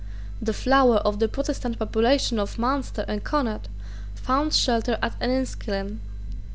The flower of the Protestant population of Munster and Connaught found shelter at Enniskillen.